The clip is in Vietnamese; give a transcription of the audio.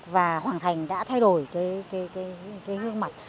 và hoàng thành đã thay đổi cái hương mặt